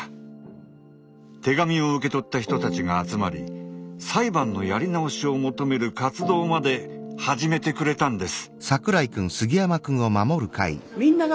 手紙を受け取った人たちが集まり裁判のやり直しを求める活動まで始めてくれたんです。